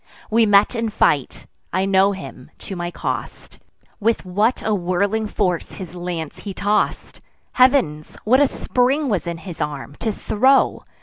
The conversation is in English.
We met in fight; I know him, to my cost: With what a whirling force his lance he toss'd! Heav'ns! what a spring was in his arm, to throw!